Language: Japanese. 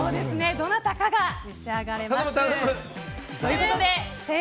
どなたかが召し上がれます。